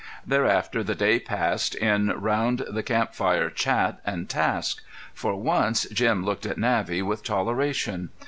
Thereafter the day passed in round the camp fire chat and task. For once Jim looked at Navvy with toleration.